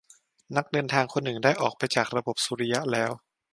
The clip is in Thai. นักเดินทางคนหนึ่งได้ออกไปจากระบบสุริยะแล้ว